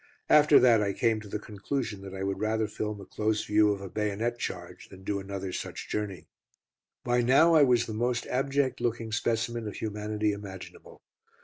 After that I came to the conclusion that I would rather film a close view of a bayonet charge than do another such journey. By now I was the most abject looking specimen of humanity imaginable.